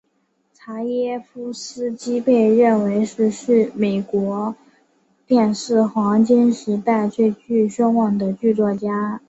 查耶夫斯基被认为是美国电视黄金时代最具声望的剧作家。